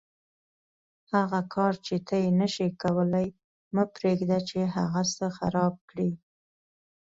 هغه کار چې ته یې نشې کولای مه پرېږده چې هغه څه خراب کړي.